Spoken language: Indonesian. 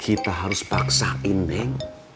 kita harus paksain neng